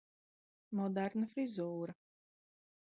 Moderna frizūra